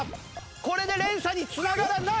これで連鎖に繋がらない。